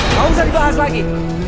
mau bisa dibahas lagi